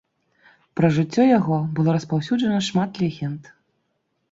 Пра жыццё яго было распаўсюджана шмат легенд.